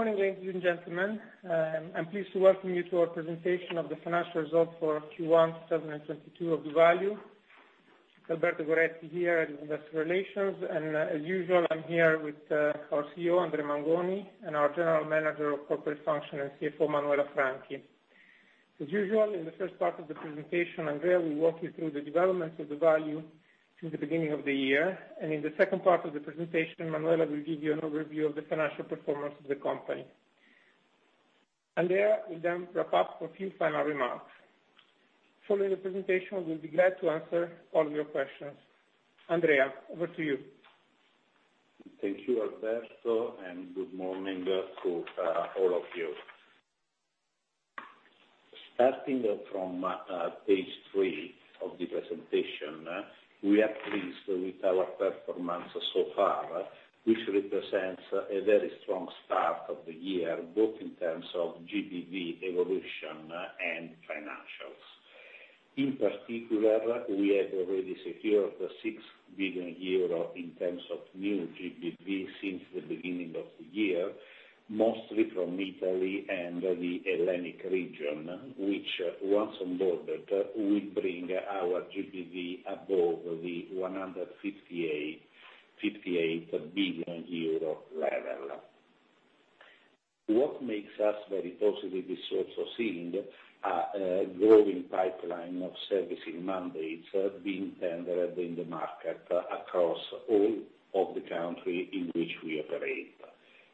Morning, ladies and gentlemen. I'm pleased to welcome you to our presentation of the financial results for Q1, 2022 of doValue. Alberto Goretti here in Investor Relations, and as usual, I'm here with our CEO, Andrea Mangoni, and our General Manager of Corporate Functions and CFO, Manuela Franchi. As usual, in the first part of the presentation, Andrea will walk you through the developments of doValue since the beginning of the year. In the second part of the presentation, Manuela will give you an overview of the financial performance of the company. Andrea will then wrap up for a few final remarks. Following the presentation, we'll be glad to answer all your questions. Andrea, over to you. Thank you, Alberto, and good morning to all of you. Starting from page 3 of the presentation, we are pleased with our performance so far, which represents a very strong start of the year, both in terms of GBV evolution and financials. In particular, we have already secured 6 billion euro in terms of new GBV since the beginning of the year, mostly from Italy and the Atlantic region, which once on board it will bring our GBV above the 158 billion euro level. What makes us very positive is also seeing a growing pipeline of servicing mandates being tendered in the market across all of the country in which we operate.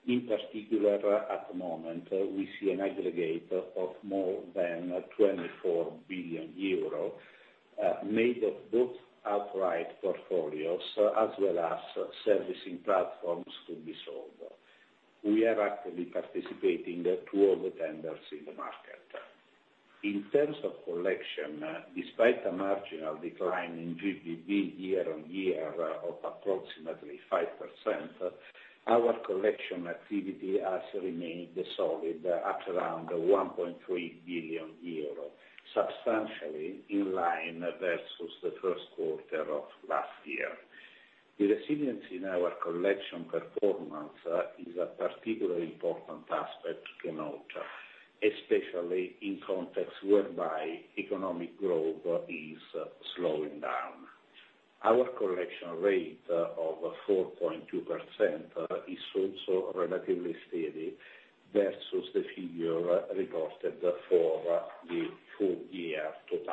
In particular, at the moment, we see an aggregate of more than 24 billion euros made of both outright portfolios as well as servicing platforms to be sold. We are actively participating to all the tenders in the market. In terms of collection, despite a marginal decline in GDP year-on-year of approximately 5%, our collection activity has remained solid at around 1.3 billion euro, substantially in line versus the first quarter of last year. The resilience in our collection performance is a particularly important aspect to note, especially in context whereby economic growth is slowing down. Our collection rate of 4.2% is also relatively steady versus the figure reported for the full year 2021.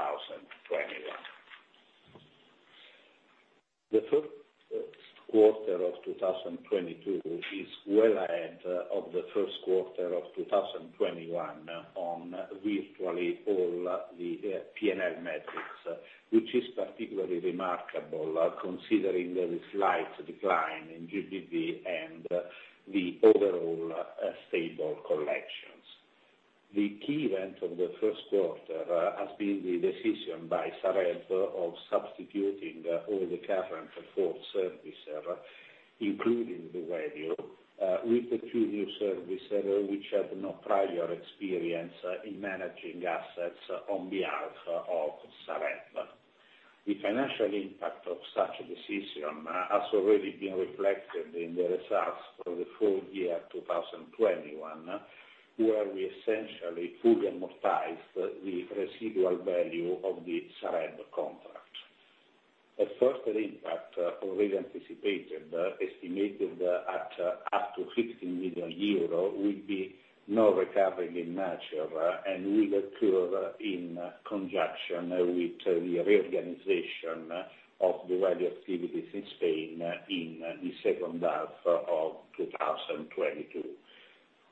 The first quarter of 2022 is well ahead of the first quarter of 2021 on virtually all the P&L metrics, which is particularly remarkable, considering the slight decline in GDP and the overall stable collections. The key event of the first quarter has been the decision by Sareb of substituting all the current default servicer, including doValue, with the two new servicer which have no prior experience in managing assets on behalf of Sareb. The financial impact of such a decision has already been reflected in the results for the full year 2021, where we essentially fully amortize the residual value of the Sareb contract. At first read, that already anticipated, estimated at up to 15 million euro, will be no recovery in nature and will occur in conjunction with the reorganization of doValue activities in Spain in the second half of 2022.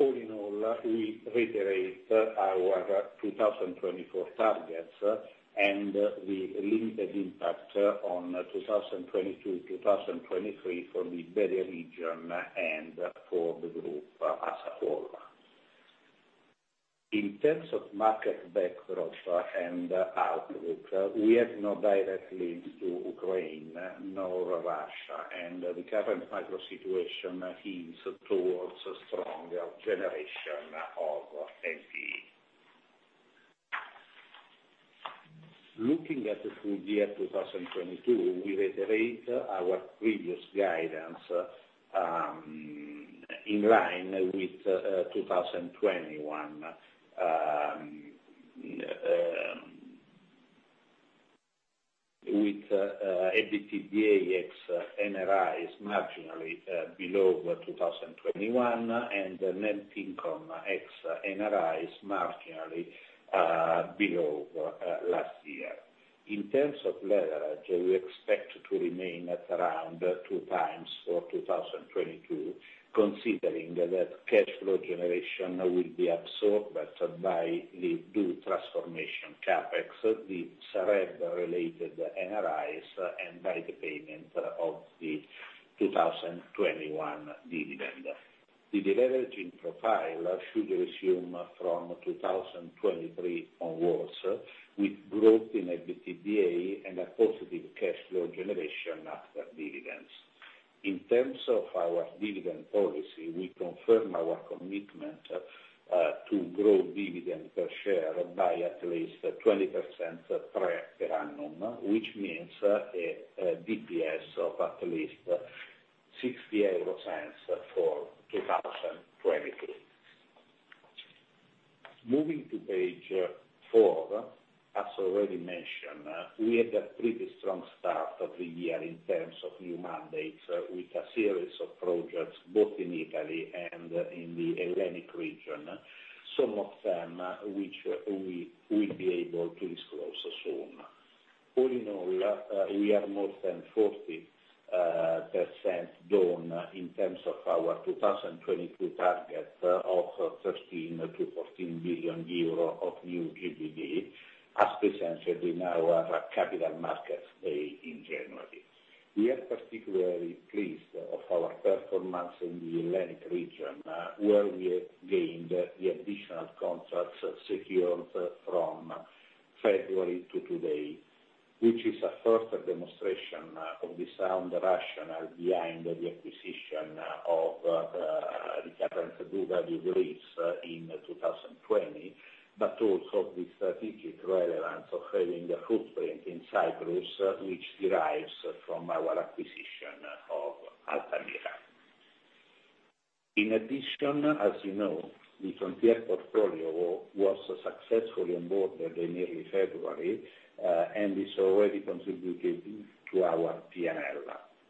All in all, we reiterate our 2024 targets and the limited impact on 2022, 2023 for the Iberia region and for the group as a whole. In terms of market backdrop and outlook, we have no direct links to Ukraine nor Russia, and the current macro situation hints towards stronger generation of NPE. Looking at the full year 2022, we reiterate our previous guidance in line with 2021. With EBITDA ex NRIs marginally below 2021, and net income ex NRIs marginally below last year. In terms of leverage, we expect to remain at around 2x for 2022, considering that cash flow generation will be absorbed by the digital transformation CapEx, the Sareb-related NRIs, and by the payment of the 2021 dividend. The deleveraging profile should resume from 2023 onwards, with growth in EBITDA and a positive cash flow generation after dividends. In terms of our dividend policy, we confirm our commitment to grow dividend per share by at least 20% per annum, which means a DPS of at least 0.60 for 2023. Moving to page 4, as already mentioned, we had a pretty strong start of the year in terms of new mandates with a series of projects both in Italy and in the Hellenic region, some of them which we will be able to disclose soon. All in all, we are more than 40% done in terms of our 2022 target of 13 billion-14 billion euro of new GBV, as presented in our Capital Markets Day in January. We are particularly pleased of our performance in the Hellenic Region, where we have gained the additional contracts secured from February to today, which is a first demonstration of the sound rationale behind the acquisition of the current doValue Greece in 2020, but also the strategic relevance of having a footprint in Cyprus, which derives from our acquisition of Altamira. In addition, as you know, the Frontier portfolio was successfully onboarded in early February and is already contributing to our P&L.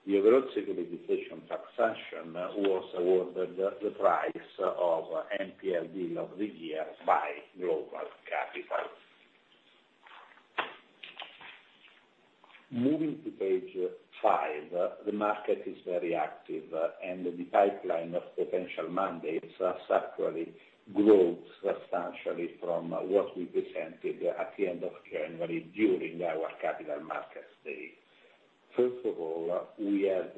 The overall securitization transaction was awarded the prize of NPL Deal of the Year by GlobalCapital. Moving to page 5, the market is very active and the pipeline of potential mandates has actually grown substantially from what we presented at the end of January during our Capital Markets Day. First of all, we have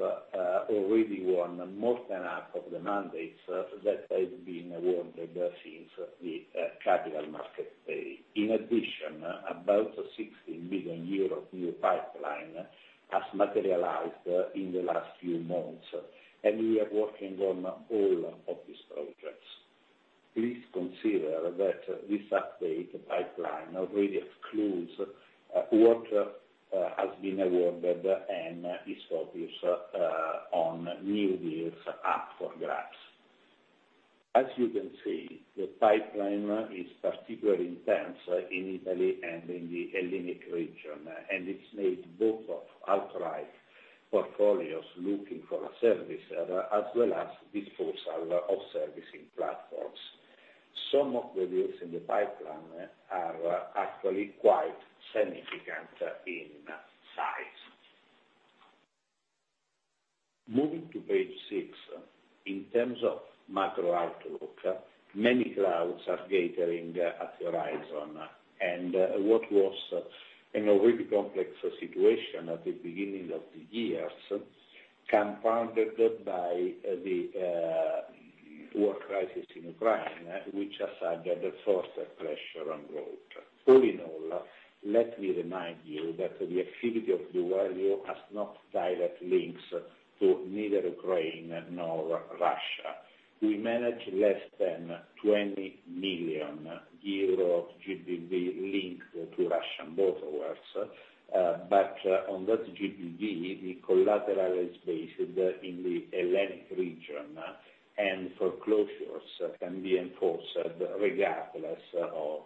already won more than half of the mandates that have been awarded since the Capital Markets Day. In addition, about 16 billion euro new pipeline has materialized in the last few months, and we are working on all of these projects. Please consider that this update pipeline already excludes what has been awarded and is focused on new deals up for grabs. As you can see, the pipeline is particularly intense in Italy and in the Hellenic Region, and it's made both of outright portfolios looking for a servicer, as well as disposal of servicing platforms. Some of the deals in the pipeline are actually quite significant in size. Moving to page 6, in terms of macro outlook, many clouds are gathering on the horizon. What was an already complex situation at the beginning of the year, compounded by the war crisis in Ukraine, which has added further pressure on growth. All in all, let me remind you that the activity of doValue has no direct links to neither Ukraine nor Russia. We manage less than 20 million euro GBV linked to Russian borrowers, but on that GBV, the collateral is based in the Hellenic region, and foreclosures can be enforced regardless of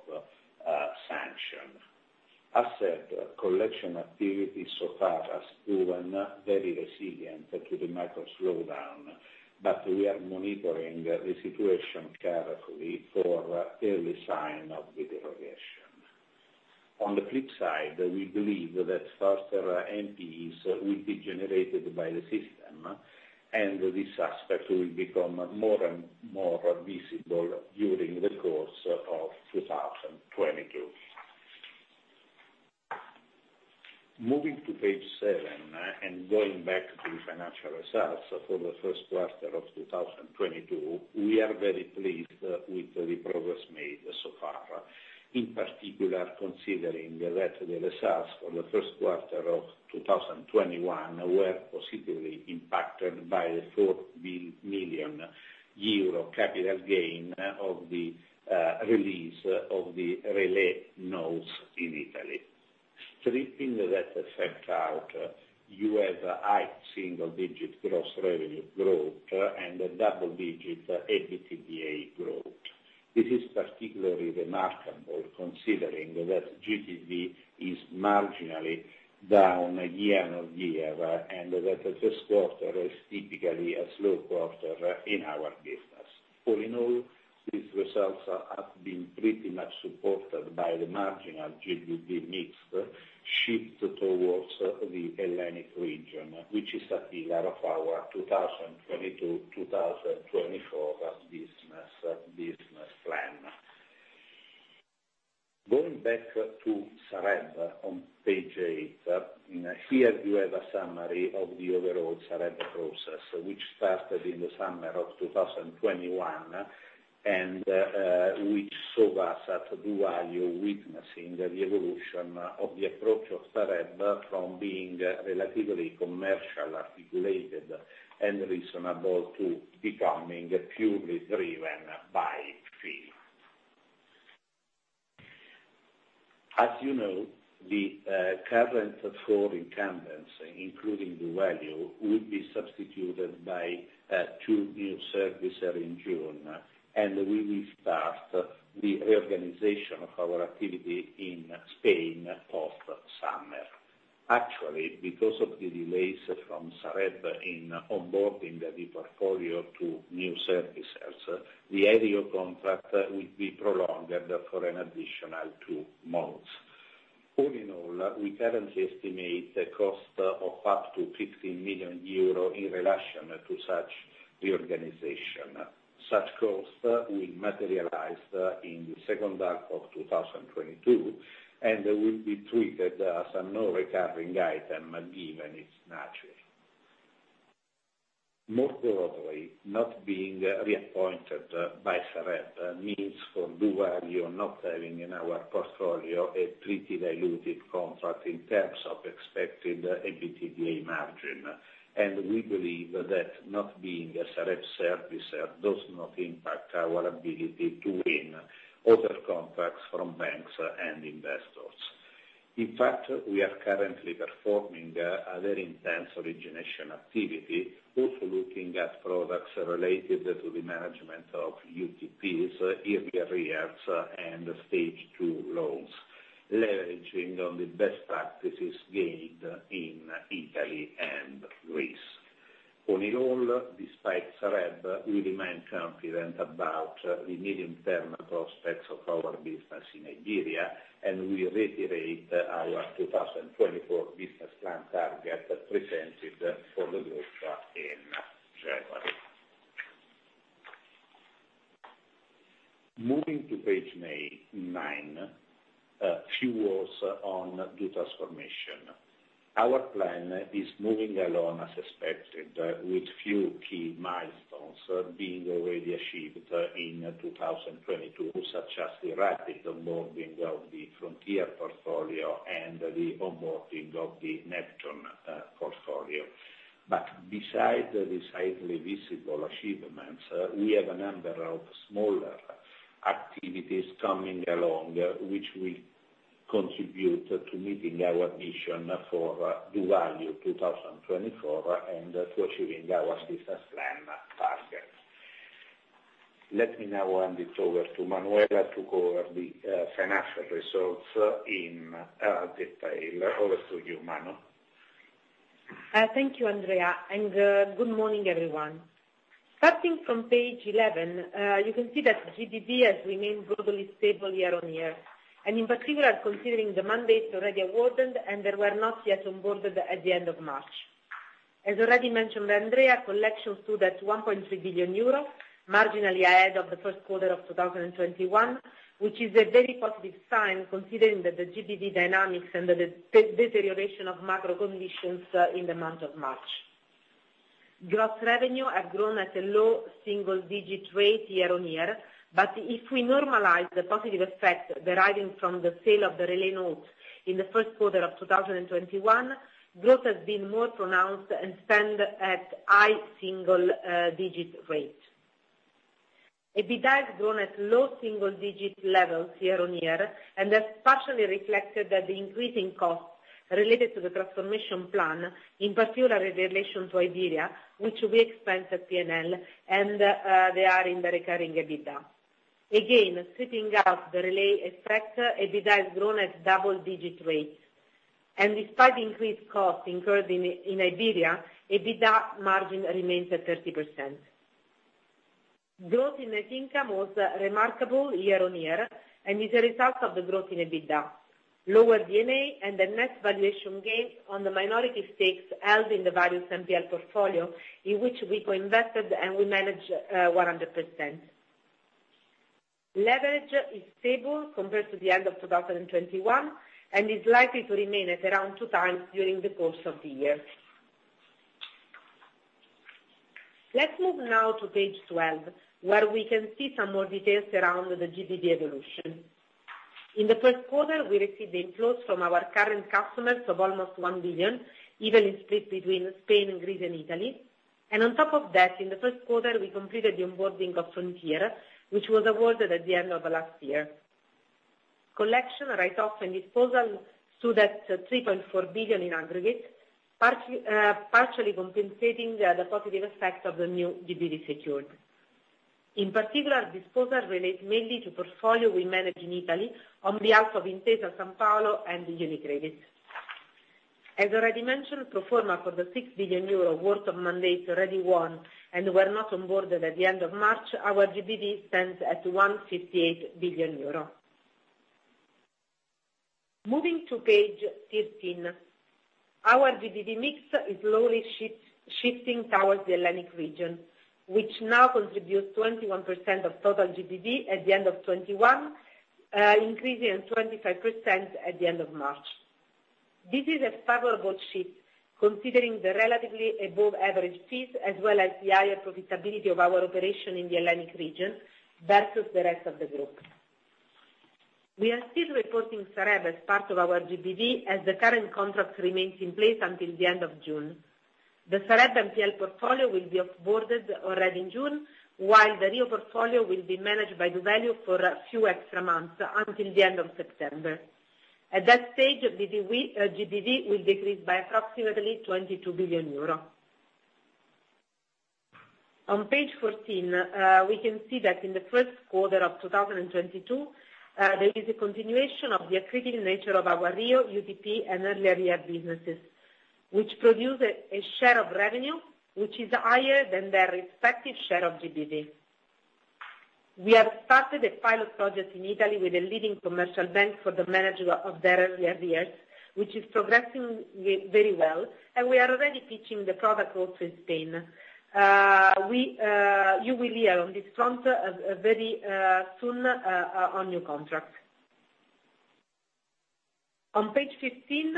sanction. Asset collection activity so far has proven very resilient to the macro slowdown, but we are monitoring the situation carefully for early sign of deterioration. On the flip side, we believe that faster NPEs will be generated by the system, and this aspect will become more and more visible during the course of 2022. Moving to page 7, going back to the financial results for the first quarter of 2022, we are very pleased with the progress made so far. In particular, considering that the results for the first quarter of 2021 were positively impacted by the 400 million euro capital gain of the release of the Relais notes in Italy. Stripping that effect out, you have high single-digit gross revenue growth and a double-digit EBITDA growth. This is particularly remarkable considering that GBV is marginally down year-on-year, and that the first quarter is typically a slow quarter in our business. All in all, these results have been pretty much supported by the marginal GBV mix shift towards the Hellenic region, which is a pillar of our 2020-2024 business plan. Going back to Sareb on page 8, and here you have a summary of the overall Sareb process, which started in the summer of 2021, and, which saw us at doValue witnessing the evolution of the approach of Sareb from being relatively commercial regulated and reasonable to becoming purely driven by fee. As you know, the, current four incumbents, including doValue, will be substituted by, two new servicers in June, and we will start the reorganization of our activity in Spain post-summer. Actually, because of the delays from Sareb in onboarding the new portfolio to new servicers, the annual contract will be prolonged for an additional two months. All in all, we currently estimate the cost of up to 15 million euro in relation to such reorganization. Such cost will materialize in the second half of 2022, and will be treated as a non-recurring item, given its nature. Moreover, not being reappointed by Sareb means for doValue not having in our portfolio a pretty dilutive contract in terms of expected EBITDA margin. We believe that not being a Sareb servicer does not impact our ability to win other contracts from banks and investors. In fact, we are currently performing a very intense origination activity, also looking at products related to the management of UTPs, early arrears, and Stage two loans, leveraging on the best practices gained in Italy and Greece. All in all, despite Sareb, we remain confident about the medium-term prospects of our business in Iberia, and we reiterate our 2024 business plan target presented for the group in January. Moving to page 9, a few words on the transformation. Our plan is moving along as expected, with few key milestones being already achieved in 2022, such as the rapid onboarding of the Frontier portfolio and the onboarding of the Neptune portfolio. Besides these highly visible achievements, we have a number of smaller activities coming along, which will contribute to meeting our mission for doValue 2024 and to achieving our business plan targets. Let me now hand it over to Manuela to go over the financial results in detail. Over to you, Manu. Thank you, Andrea, and good morning, everyone. Starting from page 11, you can see that the GBV has remained broadly stable year-on-year, and in particular, considering the mandates already awarded and that were not yet onboarded at the end of March. As already mentioned by Andrea, collections stood at 1.3 billion euro, marginally ahead of the first quarter of 2021, which is a very positive sign considering that the GBV dynamics and the deterioration of macro conditions in the month of March. Gross revenue have grown at a low single-digit rate year-on-year, but if we normalize the positive effect deriving from the sale of the Relais note in the first quarter of 2021, growth has been more pronounced and stand at high single-digit rate. EBITDA has grown at low single-digit levels year-over-year, and that's partially reflected in the increasing costs related to the transformation plan, in particular in relation to Iberia, which we expense in the P&L, and they are in the recurring EBITDA. Again, stripping out the Relais effect, EBITDA has grown at double-digit rates. Despite increased costs incurred in Iberia, EBITDA margin remains at 30%. Growth in net income was remarkable year-over-year and is a result of the growth in EBITDA, lower D&A and the net valuation gains on the minority stakes held in the Value NPL portfolio, in which we co-invested and we manage 100%. Leverage is stable compared to the end of 2021 and is likely to remain at around 2x during the course of the year. Let's move now to page 12, where we can see some more details around the GBV evolution. In the first quarter, we received inflows from our current customers of almost 1 billion, evenly split between Spain and Greece and Italy. On top of that, in the first quarter, we completed the onboarding of Frontier, which was awarded at the end of last year. Collection write-off and disposal stood at 3.4 billion in aggregate, partially compensating the positive effect of the new GBV secured. In particular, disposal relates mainly to portfolio we manage in Italy on behalf of Intesa Sanpaolo and UniCredit. As already mentioned, pro forma for the 6 billion euro worth of mandates already won and were not onboarded at the end of March, our GBV stands at 158 billion euro. Moving to page 13, our GBV mix is slowly shifting towards the Hellenic region, which now contributes 21% of total GBV at the end of 2021, increasing 25% at the end of March. This is a favorable shift, considering the relatively above-average fees as well as the higher profitability of our operation in the Hellenic region versus the rest of the group. We are still reporting Sareb as part of our GBV, as the current contract remains in place until the end of June. The Sareb NPL portfolio will be off-boarded already in June, while the REO portfolio will be managed by doValue for a few extra months until the end of September. At that stage, the GBV will decrease by approximately 22 billion euro. On page 14, we can see that in the first quarter of 2022, there is a continuation of the accretive nature of our REO, UTP, and Early Arrears businesses, which produce a share of revenue, which is higher than their respective share of GBV. We have started a pilot project in Italy with a leading commercial bank for the management of their Early Arrears, which is progressing very well, and we are already pitching the product also in Spain. You will hear on this front very soon on new contracts. On page 15,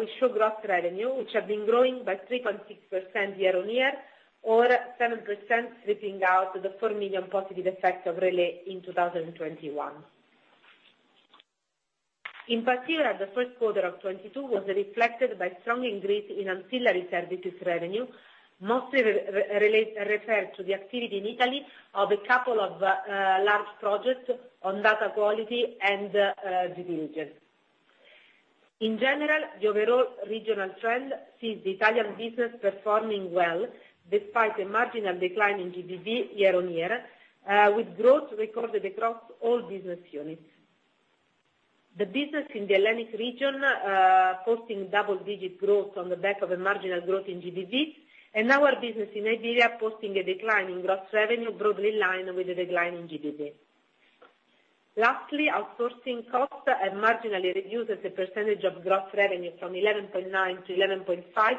we show gross revenue, which have been growing by 3.6% year-on-year or 7% stripping out of the 4 million positive effect of Relais in 2021. In particular, the first quarter of 2022 was reflected by strong increase in ancillary services revenue, mostly referred to the activity in Italy of a couple of large projects on data quality and due diligence. In general, the overall regional trend sees the Italian business performing well despite a marginal decline in GDP year-on-year with growth recorded across all business units. The business in the Hellenic Region posting double-digit growth on the back of a marginal growth in GDP and our business in Iberia posting a decline in gross revenue broadly in line with the decline in GDP. Lastly, outsourcing costs have marginally reduced as a percentage of gross revenue from 11.9%-11.5%,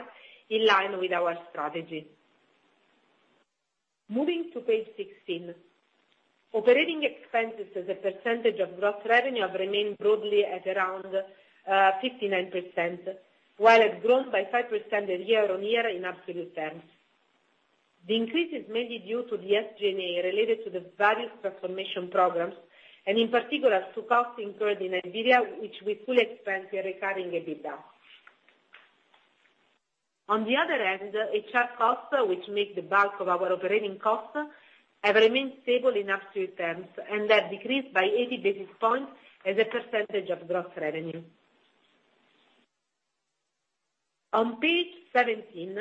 in line with our strategy. Moving to page 16. Operating expenses as a percentage of gross revenue have remained broadly at around 59%, while it grown by 5% year-on-year in absolute terms. The increase is mainly due to the SG&A related to the various transformation programs and in particular to costs incurred in Iberia, which we fully expect in recurring EBITDA. On the other hand, HR costs, which make the bulk of our operating costs, have remained stable in absolute terms and have decreased by 80 basis points as a percentage of gross revenue. On page 17,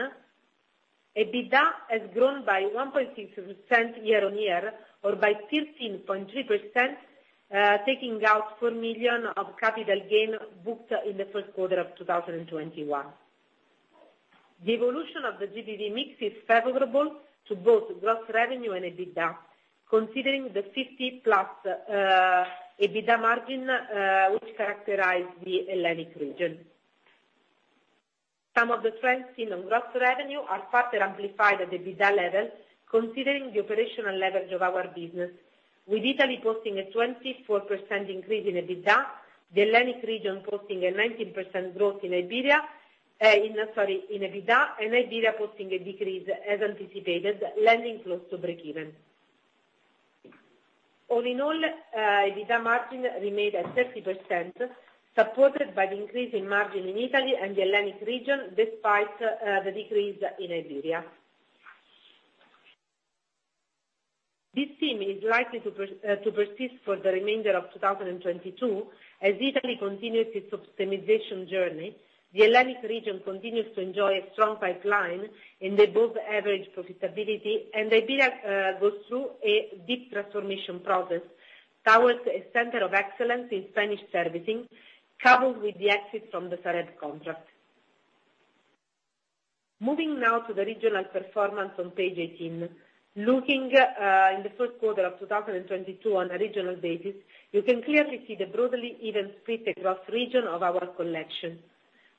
EBITDA has grown by 1.6% year-on-year or by 13.3%, taking out 4 million of capital gain booked in the first quarter of 2021. The evolution of the GBV mix is favorable to both gross revenue and EBITDA, considering the 50+ % EBITDA margin which characterize the Hellenic Region. Some of the trends seen on gross revenue are further amplified at the EBITDA level, considering the operational leverage of our business, with Italy posting a 24% increase in EBITDA, the Hellenic Region posting a 19% growth in EBITDA, and Iberia posting a decrease as anticipated, landing close to breakeven. All in all, EBITDA margin remained at 30%, supported by the increase in margin in Italy and the Hellenic Region despite the decrease in Iberia. This theme is likely to persist for the remainder of 2022, as Italy continues its optimization journey, the Hellenic Region continues to enjoy a strong pipeline and above average profitability, and Iberia goes through a deep transformation process towards a center of excellence in Spanish servicing, coupled with the exit from the Sareb contract. Moving now to the regional performance on page 18. Looking in the first quarter of 2022 on a regional basis, you can clearly see the broadly even spread across region of our collection.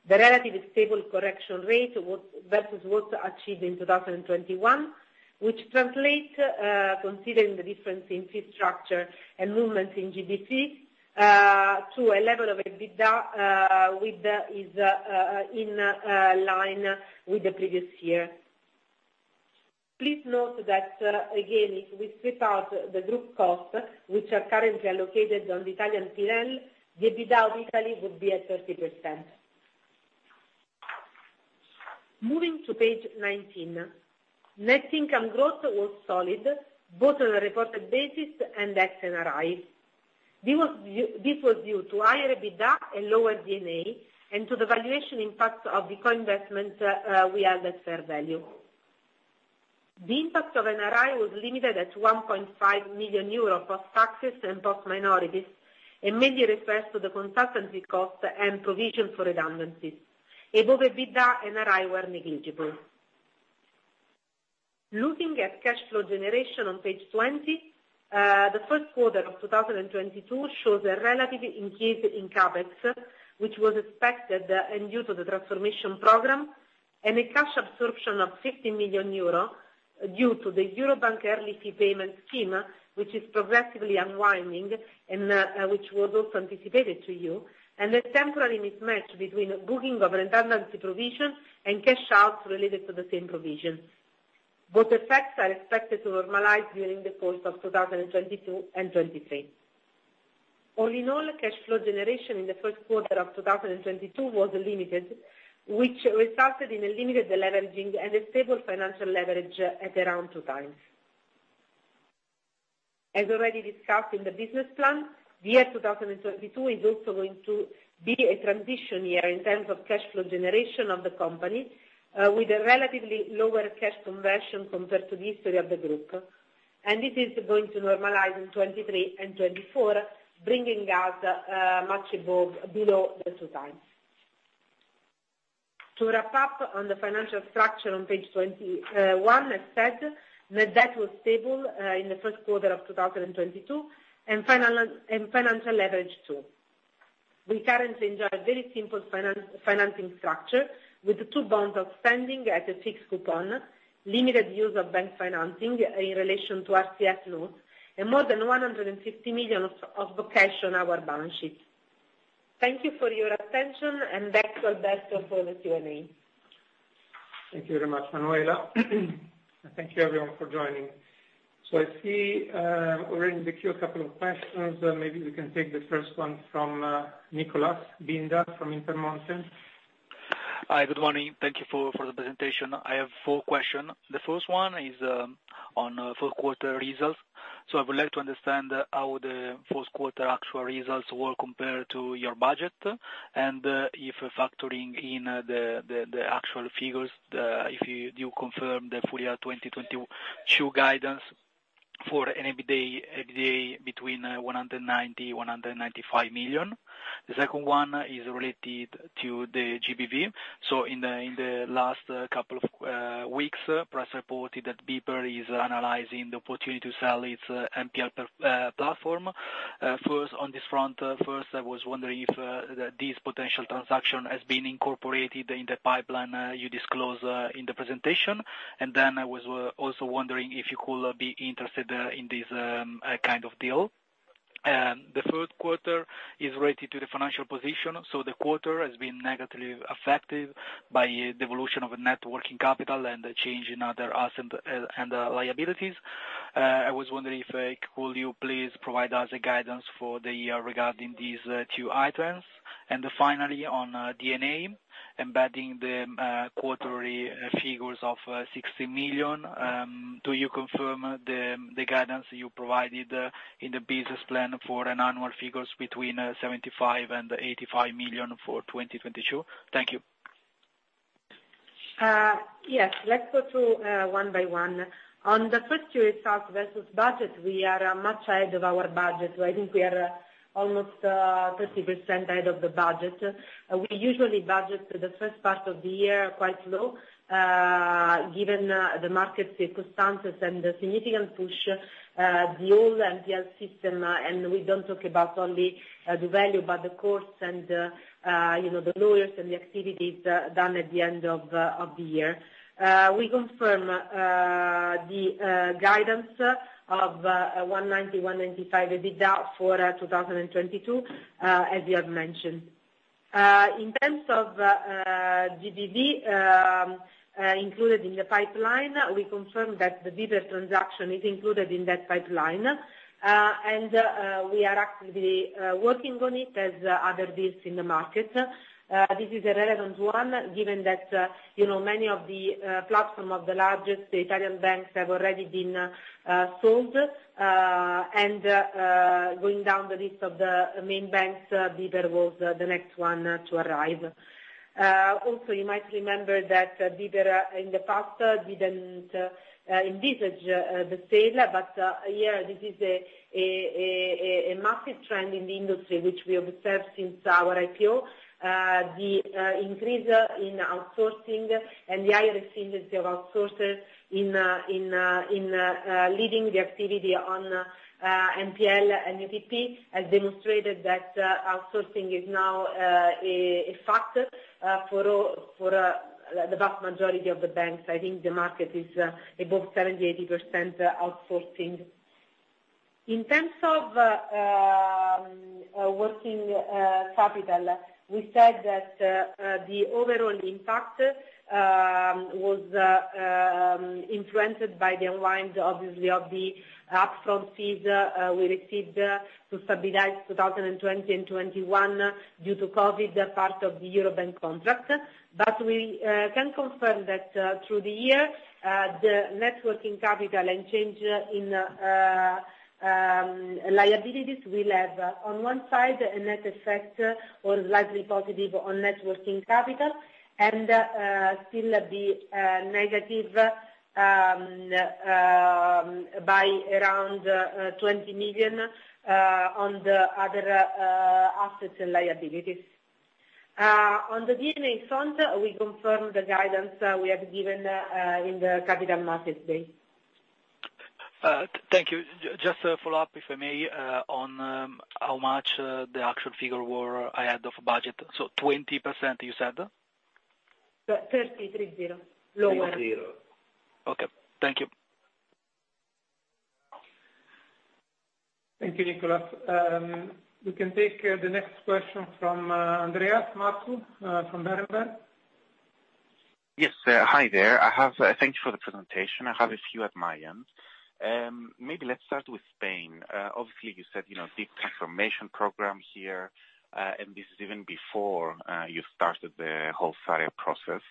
The relatively stable collection rate was versus what achieved in 2021, which translate, considering the difference in fee structure and movements in GDP, to a level of EBITDA is in line with the previous year. Please note that, again, if we strip out the group costs, which are currently allocated on the Italian P&L, the EBITDA of Italy would be at 30%. Moving to page 19. Net income growth was solid, both on a reported basis and ex NRI. This was due to higher EBITDA and lower D&A and to the valuation impact of the co-investment we held at fair value. The impact of NRI was limited at 1.5 million euro post taxes and post minorities, and mainly refers to the consultancy costs and provision for redundancies. Above EBITDA, NRI were negligible. Looking at cash flow generation on page 20, the first quarter of 2022 shows a relative increase in CapEx, which was expected, and due to the transformation program, and a cash absorption of 50 million euro due to the Eurobank early fee payment scheme, which is progressively unwinding and, which was also anticipated, too, and a temporary mismatch between booking of redundancy provision and cash out related to the same provision. Both effects are expected to normalize during the course of 2022 and 2023. All in all, cash flow generation in the first quarter of 2022 was limited, which resulted in a limited deleveraging and a stable financial leverage at around 2x. As already discussed in the business plan, the year 2022 is also going to be a transition year in terms of cash flow generation of the company, with a relatively lower cash conversion compared to the history of the group. It is going to normalize in 2023 and 2024, bringing us much below the 2x. To wrap up on the financial structure on page 21, as said, net debt was stable in the first quarter of 2022, and financial leverage too. We currently enjoy a very simple financing structure, with the two bonds outstanding at a fixed coupon, limited use of bank financing in relation to our CS loans, and more than 150 million of book cash on our balance sheet. Thank you for your attention, and back to Alberto for the Q&A. Thank you very much, Manuela. Thank you everyone for joining. I see already in the queue a couple of questions, so maybe we can take the first one from Nicholas Binda from Intermonte. Hi, good morning. Thank you for the presentation. I have four questions. The first one is on fourth quarter results. I would like to understand how the fourth quarter actual results were compared to your budget, and if you're factoring in the actual figures if you do confirm the full year 2022 guidance for an EBITDA between 190 million-195 million. The second one is related to the GBV. In the last couple of weeks, press reported that BPER is analyzing the opportunity to sell its NPL platform. On this front, I was wondering if this potential transaction has been incorporated in the pipeline you disclose in the presentation. I was also wondering if you could be interested in this kind of deal. The third quarter is related to the financial position. The quarter has been negatively affected by the evolution of a net working capital and the change in other asset and liabilities. I was wondering if could you please provide us a guidance for the year regarding these two items. Finally on D&A, embedding the quarterly figures of 60 million, do you confirm the guidance you provided in the business plan for an annual figures between 75 million and 85 million for 2022? Thank you. Yes. Let's go through one by one. On the first Q result versus budget, we are much ahead of our budget. I think we are almost 30% ahead of the budget. We usually budget the first part of the year quite low, given the market circumstances and the significant push, the old NPL system, and we don't talk about only doValue, but the costs and, you know, the lawyers and the activities done at the end of the year. We confirm the guidance of 190-195 EBITDA for 2022, as you have mentioned. In terms of GBV included in the pipeline, we confirm that the BPER transaction is included in that pipeline. We are actively working on it as other deals in the market. This is a relevant one given that, you know, many of the platform of the largest Italian banks have already been sold. Going down the list of the main banks, BPER was the next one to arrive. You might remember that BPER in the past didn't envisage the sale. Yeah, this is a massive trend in the industry which we have observed since our IPO. The increase in outsourcing and the higher efficiency of outsourcers in leading the activity on NPL and UTP has demonstrated that outsourcing is now a factor for the vast majority of the banks. I think the market is above 70%-80% outsourcing. In terms of working capital, we said that the overall impact was influenced by the unwind, obviously, of the upfront fees we received to stabilize 2020 and 2021 due to COVID as part of the Eurobank contract. We can confirm that, through the year, the net working capital and change in liabilities will have on one side a net effect or slightly positive on net working capital and still be negative by around 20 million on the other assets and liabilities. On the D&A front, we confirm the guidance we have given in the Capital Markets Day. Thank you. Just a follow-up, if I may, on how much the actual figure were ahead of budget. 20% you said? 30. Lower. 30. Okay. Thank you. Thank you, Nicholas. We can take the next question from Andreas Mattern from Berenberg. Yes. Hi there. I have, thank you for the presentation. I have a few at my end. Maybe let's start with Spain. Obviously you said, you know, big transformation program here, and this is even before you started the whole sale process.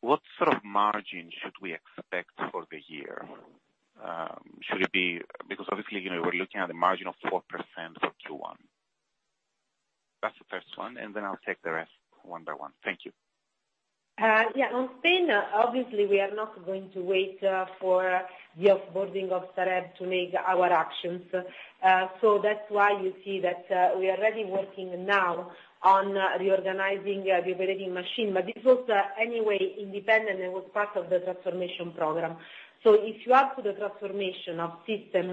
What sort of margin should we expect for the year? Should it be because obviously, you know, we're looking at a margin of 4% for Q1. That's the first one, and then I'll take the rest one by one. Thank you. Yeah. On Spain, obviously we are not going to wait for the offboarding of Sareb to make our actions. That's why you see that we are already working now on reorganizing the operating machine. This was anyway independent. It was part of the transformation program. If you add to the transformation of system,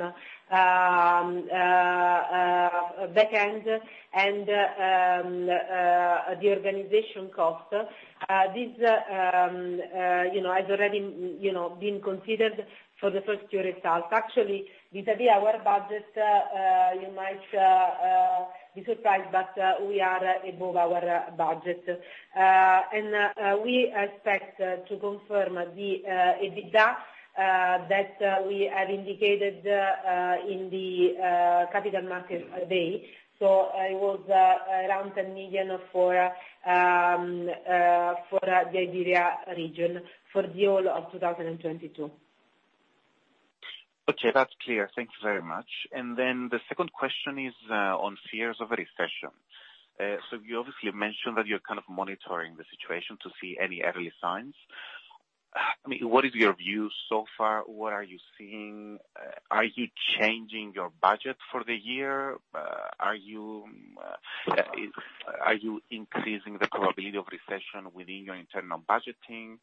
backend and the organization cost, this you know has already you know been considered for the first quarter results. Actually, vis-à-vis our budget, you might be surprised, but we are above our budget. We expect to confirm the EBITDA that we have indicated in the Capital Markets Day. It was around 10 million for the Iberia region for the whole of 2022. Okay, that's clear. Thank you very much. The second question is on fears of a recession. You obviously mentioned that you're kind of monitoring the situation to see any early signs. I mean, what is your view so far? What are you seeing? Are you changing your budget for the year? Are you increasing the probability of recession within your internal budgeting?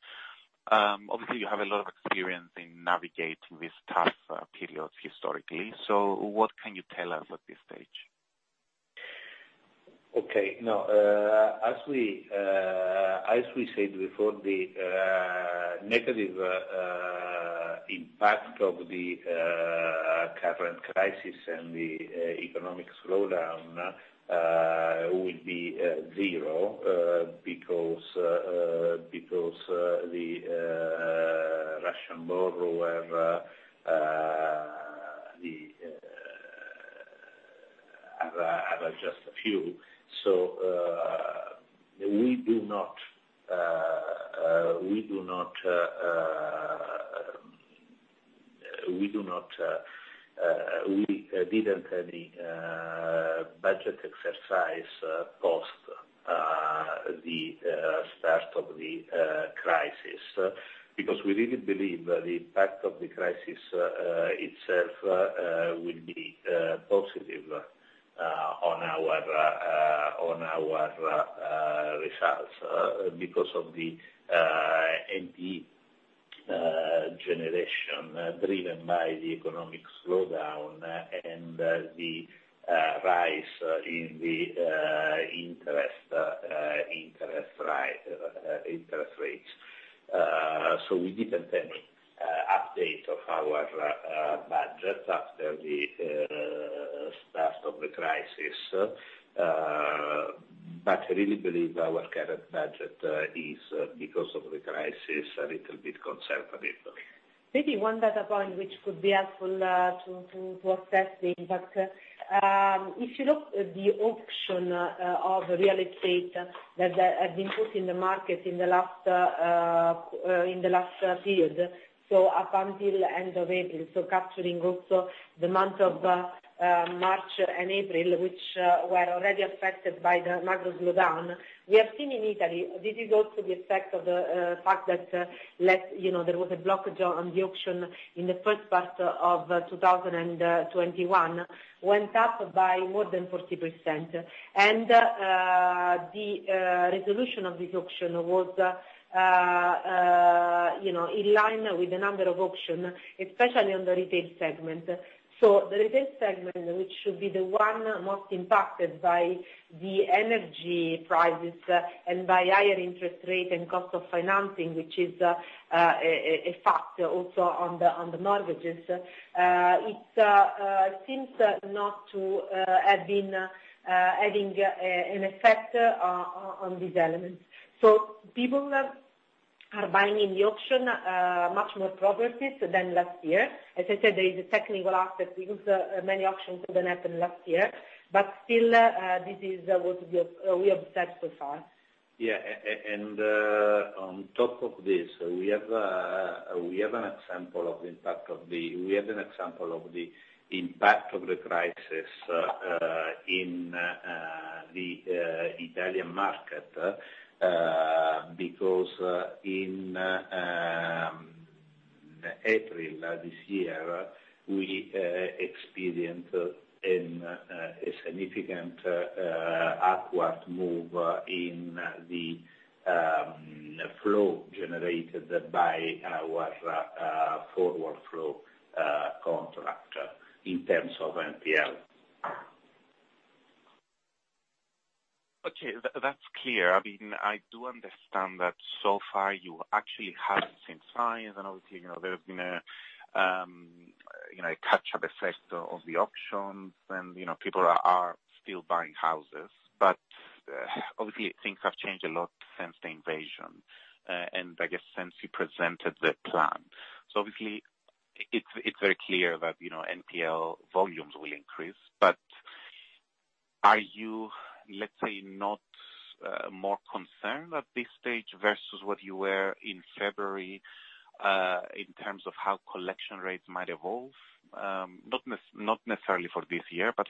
Obviously you have a lot of experience in navigating these tough periods historically. What can you tell us at this stage? No, as we said before, the negative impact of the current crisis and the economic slowdown will be zero because the Russian borrowers are just a few. We didn't have any budget exercise post the start of the crisis. Because we really believe the impact of the crisis itself will be positive on our results because of the NPL generation driven by the economic slowdown and the rise in interest rates. We didn't have update of our budget after the start of the crisis. I really believe our current budget is because of the crisis a little bit conservative. Maybe one data point which could be helpful to assess the impact. If you look at the auction of real estate that have been put in the market in the last period, so up until end of April, so capturing also the month of March and April, which were already affected by the macro slowdown. We have seen in Italy this is also the effect of the fact that last, you know, there was a blockage on the auction in the first part of 2021, went up by more than 40%. The resolution of this auction was, you know, in line with the number of auction, especially on the retail segment. The retail segment, which should be the one most impacted by the energy prices and by higher interest rate and cost of financing, which is a factor also on the mortgages, it seems not to have been having an effect on these elements. People are buying in the auction much more properties than last year. As I said, there is a technical aspect because many auctions didn't happen last year. Still, this is what we observed so far. On top of this, we have an example of the impact of the crisis in the Italian market, because in April this year, we experienced a significant upward move in the flow generated by our forward flow contract in terms of NPL. Okay. That's clear. I mean, I do understand that so far you actually haven't seen signs and obviously, you know, there have been a catch up effect of the auctions and, you know, people are still buying houses. Obviously things have changed a lot since the invasion and I guess since you presented the plan. Obviously it's very clear that, you know, NPL volumes will increase. Are you, let's say, not more concerned at this stage versus what you were in February in terms of how collection rates might evolve? Not necessarily for this year, but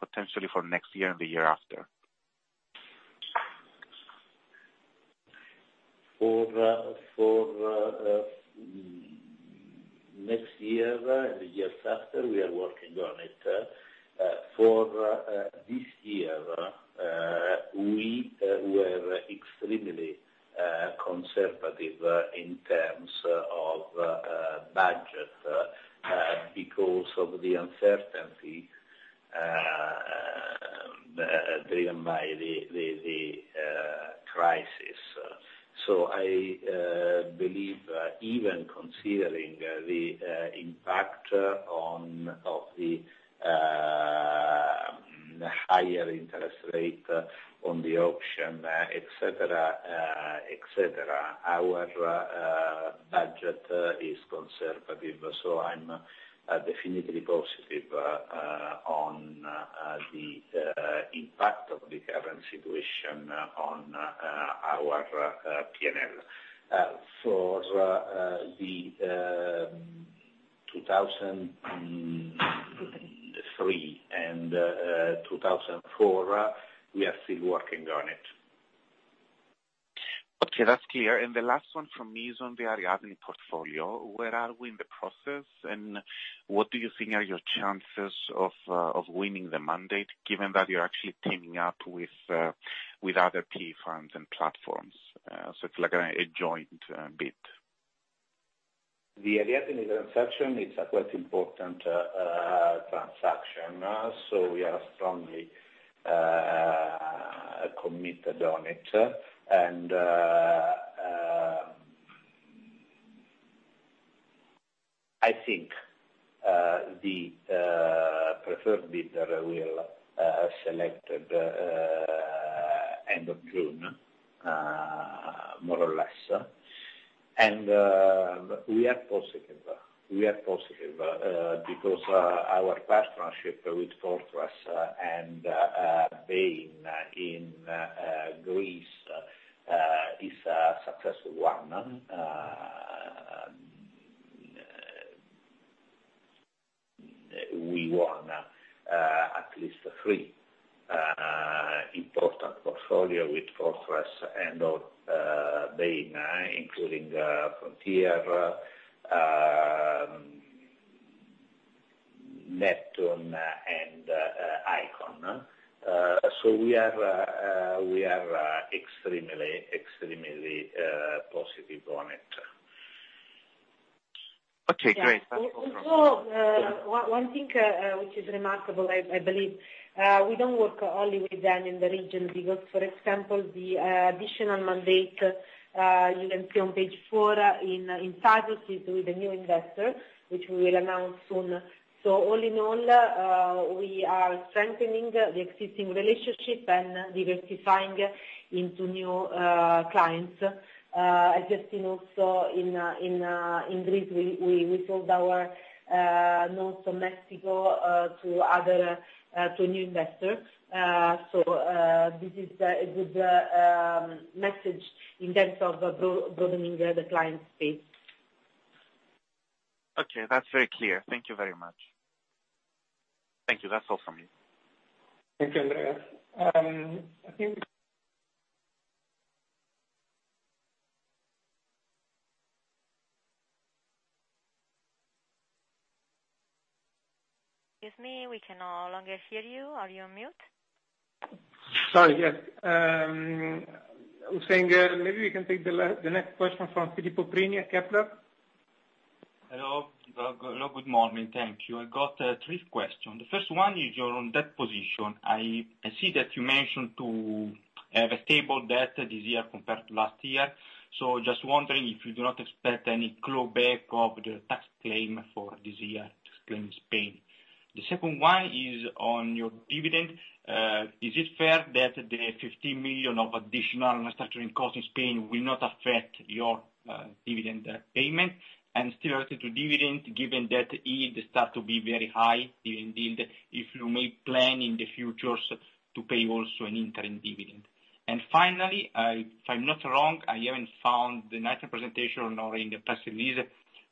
potentially for next year and the year after. For next year and the years after, we are working on it. For this year, we were extremely conservative in terms of budget because of the uncertainty driven by the crisis. I believe even considering the impact of the higher interest rate on the auction, etc, our budget is conservative. I'm definitely positive on the impact of the current situation on our P&L. For the 2023 and 2024, we are still working on it. Okay, that's clear. The last one from me is on the Ariadne portfolio. Where are we in the process, and what do you think are your chances of winning the mandate, given that you're actually teaming up with other PE funds and platforms? So it's like a joint bid. The Ariadne transaction is a quite important transaction, so we are strongly committed on it. I think the preferred bidder will selected end of June more or less. We are positive because our partnership with Fortress and Bain in Greece is a successful one. We won at least three important portfolio with Fortress and Bain, including Frontier, Neptune and Icon. So we are extremely positive on it. Okay, great. One thing which is remarkable, I believe, we don't work only with them in the region because for example, the additional mandate you can see on page 4 in the slides is with a new investor, which we will announce soon. All in all, we are strengthening the existing relationship and diversifying into new clients. I think also in Greece, we sold our loans to Mexico to a new investor. This is a good message in terms of building the client base. Okay, that's very clear. Thank you very much. Thank you. That's all from me. Thank you. I think. Excuse me, we can no longer hear you. Are you on mute? Sorry, yes. I was saying, maybe we can take the next question from Filippo Prina at Kepler. Hello. Good morning. Thank you. I got three questions. The first one is your debt position. I see that you mentioned to have a stable debt this year compared to last year. Just wondering if you do not expect any clawback of the tax claim for this year in Spain. The second one is on your dividend. Is it fair that the 50 million of additional restructuring cost in Spain will not affect your dividend payment? Still related to dividend, given that yield start to be very high, dividend yield, if you plan in the future to pay also an interim dividend. Finally, if I'm not wrong, I haven't found in this presentation or in the press release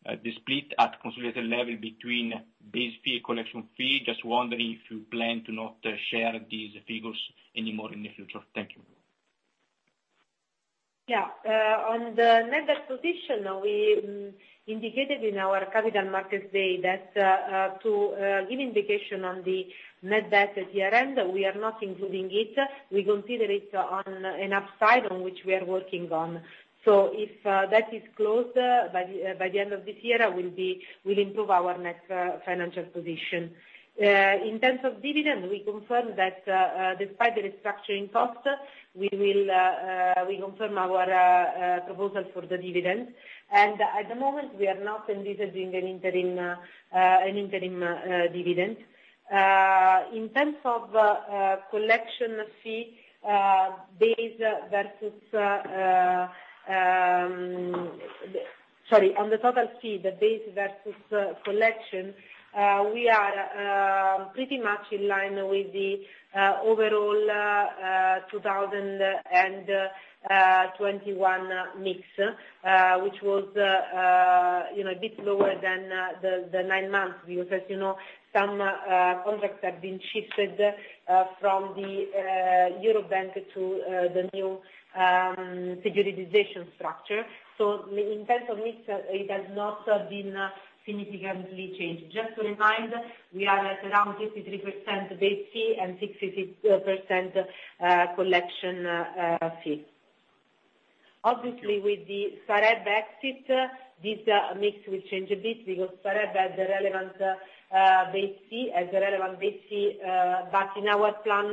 the split at consolidated level between base fee, collection fee. Just wondering if you plan to not share these figures anymore in the future. Thank you. Yeah. On the net debt position, we indicated in our Capital Markets Day that to give indication on the net debt at year-end, we are not including it. We consider it as an upside on which we are working on. If that is closed by the end of this year, we'll improve our net financial position. In terms of dividend, we confirm that despite the restructuring cost, we confirm our proposal for the dividend. At the moment, we are not envisaging an interim dividend. In terms of on the total fee, the base versus collection, we are pretty much in line with the overall 2021 mix, which was, you know, a bit lower than the nine-month view. As you know, some contracts have been shifted from the Eurobank to the new securitization structure. In terms of mix, it has not been significantly changed. Just to remind, we are at around 53% base fee and 63% collection fee. Obviously, with the Sareb exit, this mix will change a bit because Sareb has a relevant base fee. In our plan,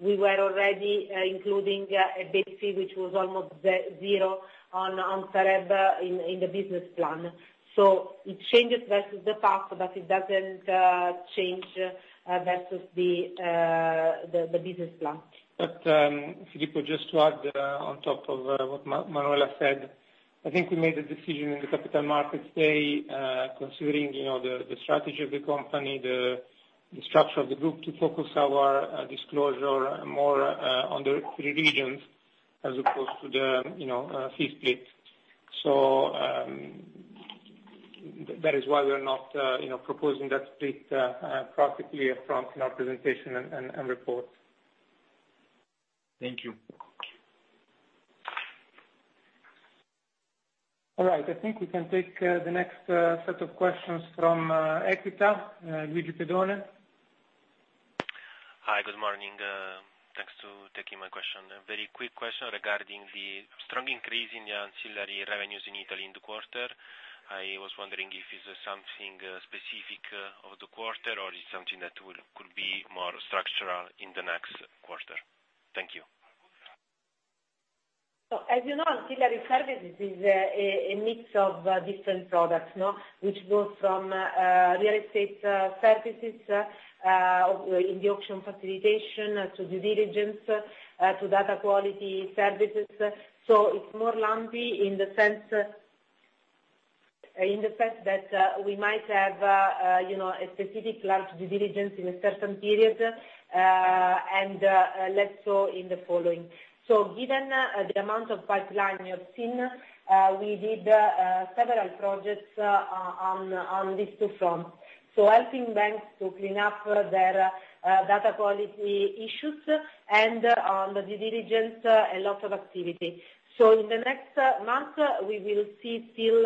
we were already including a base fee, which was almost zero on Sareb in the business plan. It changes versus the past, but it doesn't change versus the business plan. Filippo, just to add, on top of what Manuela said, I think we made the decision in the Capital Markets Day, considering, you know, the strategy of the company, the structure of the group to focus our disclosure more on the three regions as opposed to the, you know, fee split. That is why we are not proposing that split proactively upfront in our presentation and report. Thank you. All right. I think we can take the next set of questions from Equita, Luigi Pedone. Hi, good morning. Thanks for taking my question. A very quick question regarding the strong increase in the ancillary revenues in Italy in the quarter. I was wondering if it's something specific of the quarter or it's something that could be more structural in the next quarter. Thank you. As you know, ancillary services is a mix of different products, no? Which goes from real estate services in the auction facilitation to due diligence to data quality services. It's more lumpy in the sense that we might have, you know, a specific large due diligence in a certain period and less so in the following. Given the amount of pipeline you have seen, we did several projects on these two fronts. Helping banks to clean up their data quality issues and on the due diligence, a lot of activity. In the next month, we will see still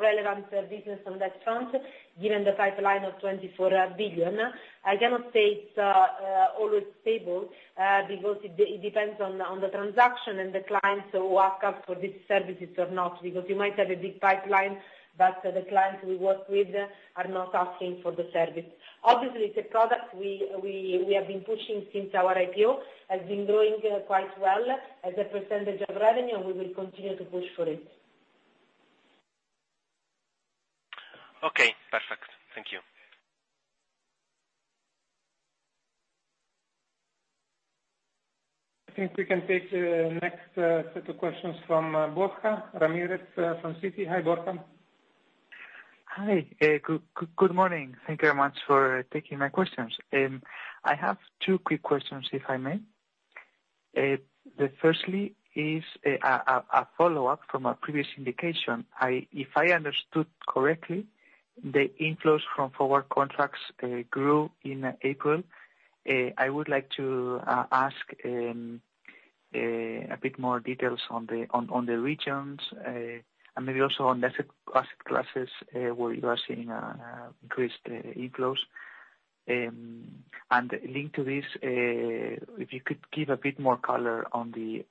relevant business on that front given the pipeline of 24 billion. I cannot say it's always stable, because it depends on the transaction and the clients who ask us for these services or not. Because you might have a big pipeline, but the clients we work with are not asking for the service. Obviously, it's a product we have been pushing since our IPO, has been growing quite well as a percentage of revenue, and we will continue to push for it. Okay, perfect. Thank you. I think we can take the next set of questions from Borja Ramirez from Citi. Hi, Borja. Hi. Good morning. Thank you very much for taking my questions. I have two quick questions, if I may. The firstly is a follow-up from a previous indication. If I understood correctly, the inflows from forward flow grew in April. I would like to ask a bit more details on the regions and maybe also on the asset classes where you are seeing increased inflows. And linked to this, if you could give a bit more color on the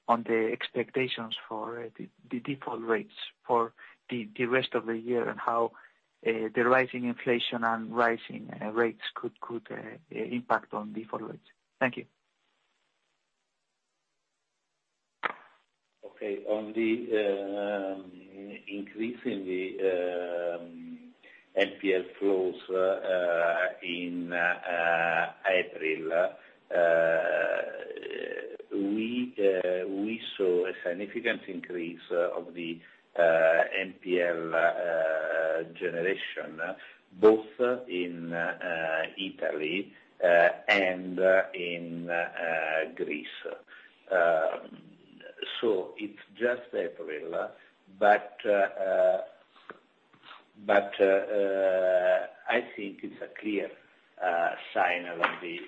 expectations for the default rates for the rest of the year and how the rising inflation and rising rates could impact on default rates. Thank you. Okay. On the increase in the NPL flows in April, we saw a significant increase of the NPL generation both in Italy and in Greece. It's just April, but I think it's a clear sign of the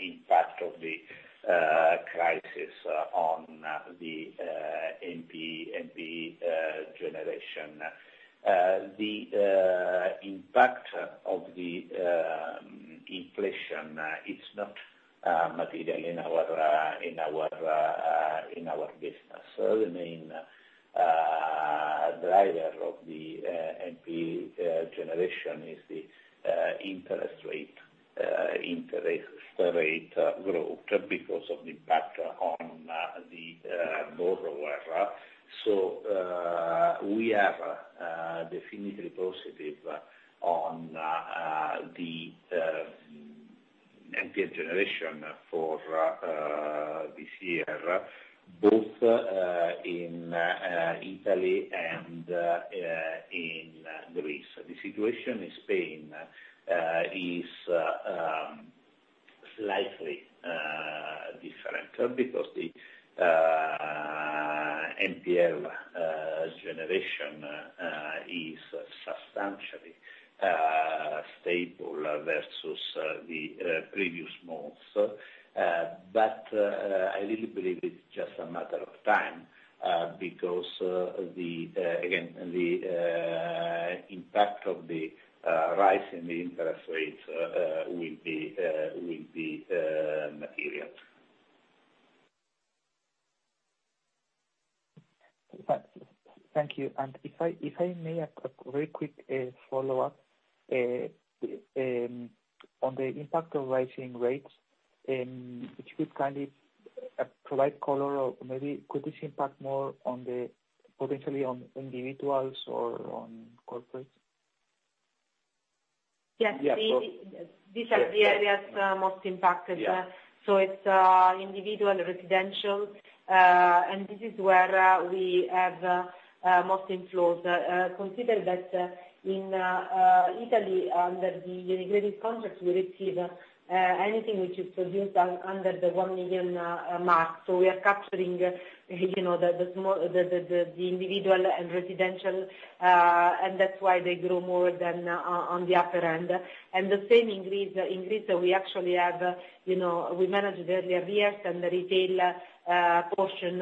impact of the crisis on the NPE generation. The impact of the inflation, it's not material in our business. The main driver of the NPE generation is the interest rate growth because of the impact on the borrower. We are definitely positive on the NPL generation for this year, both in Italy and in Greece. The situation in Spain is slightly different because the NPL generation is substantially stable versus the previous months. I really believe it's just a matter of time because the again the impact of the rise in the interest rates will be material. Thank you. If I may, a very quick follow-up. On the impact of rising rates, if you could kindly provide color or maybe could this impact more on the potentially on individuals or on corporates? Yes. Yeah. These are the areas most impacted. Yeah. It's individual residential, and this is where we have most inflows. Consider that in Italy, under the integrated contracts, we receive anything which is produced under the 1 million mark. We are capturing, you know, the individual and residential, and that's why they grow more than on the upper end. The same in Greece. In Greece we actually have, you know, we manage the arrears and the retail portion,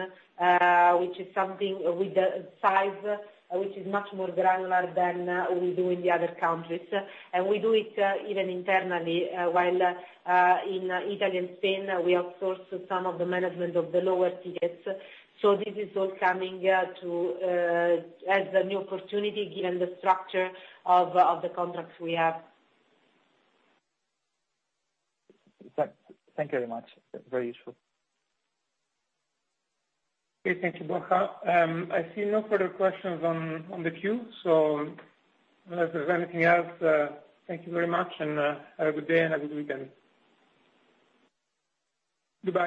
which is something with the size, which is much more granular than we do in the other countries. We do it even internally, while in Italy and Spain, we outsource some of the management of the lower tickets. This is all coming to us as a new opportunity given the structure of the contracts we have. Thank you very much. Very useful. Okay, thank you, Borja. I see no further questions on the queue, so unless there's anything else, thank you very much and have a good day and have a good weekend. Goodbye.